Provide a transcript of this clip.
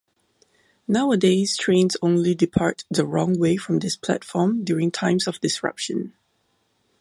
Nowadays trains only depart the 'wrong way' from this platform during times of disruption.